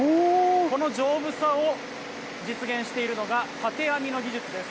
この丈夫さを実現しているのが、たて編の技術です。